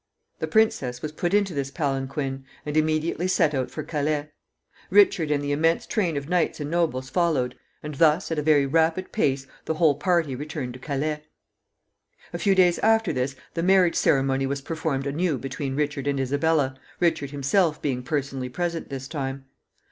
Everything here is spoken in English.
The princess was put into this palanquin, and immediately set out for Calais. Richard and the immense train of knights and nobles followed, and thus, at a very rapid pace, the whole party returned to Calais. A few days after this the marriage ceremony was performed anew between Richard and Isabella, Richard himself being personally present this time.